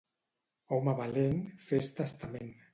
Home valent, fes testament.